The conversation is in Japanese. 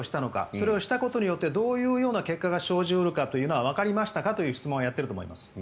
それをしたことによってどういう結果が生じ得るのかわかりましたかという質問をやっていると思います。